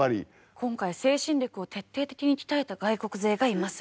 今回精神力を徹底的に鍛えた外国勢がいます。